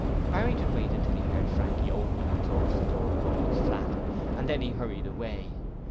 Barrington waited till he heard Frankie open and close the door of Owen's flat, and then he hurried away.